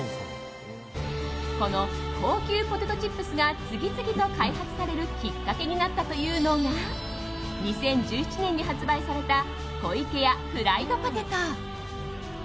この高級ポテトチップスが次々と開発されるきっかけになったというのが２０１７年に発売された湖池屋プライドポテト。